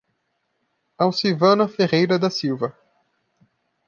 Alcivana Ferreira da Silva